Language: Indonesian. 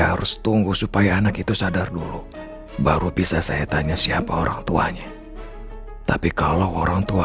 harus tunggu supaya anak itu sadar dulu baru bisa saya tanya siapa orang tuanya tapi kalau orang tua